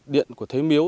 điện của thế miếu